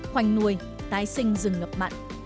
khoanh nuôi tái sinh rừng gập mặn